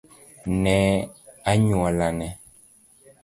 ne anyuolane